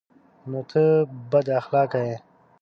_نو ته بد اخلاقه يې؟